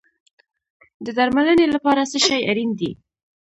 د درملنې لپاره څه شی اړین دی؟